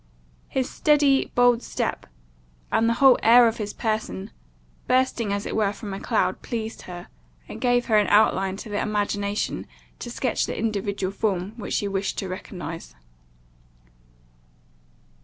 His steady, bold step, and the whole air of his person, bursting as it were from a cloud, pleased her, and gave an outline to the imagination to sketch the individual form she wished to recognize.